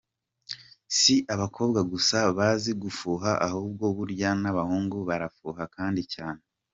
Si abakobwa gusa bazi gufuha ahubwo burya n’abahungu barafuha kandi cyane.